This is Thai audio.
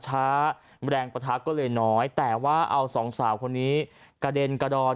แรงปะทะก็เลยน้อยแต่ว่าเอาสองสาวคนนี้กระเด็นกระดอน